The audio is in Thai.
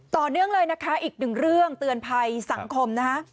ต่อเนื่องเลยนะคะอีกหนึ่งเรื่องเตือนภัยสังคมนะคะ